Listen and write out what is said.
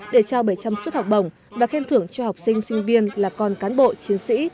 để trao bảy trăm linh suất học bổng và khen thưởng cho học sinh sinh viên là con cán bộ chiến sĩ